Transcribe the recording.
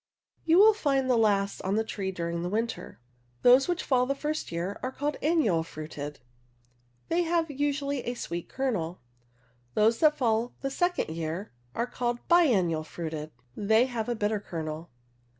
You will find ' the last on the tree during the winter. Those which fall the first year are called annual fruited ; they have usu ally a sweet kernel. Those that fall the second year are called biennial fruited ; they have a bitter kernel.